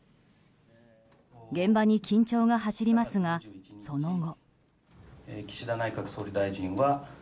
現場に緊張が走りますがその後。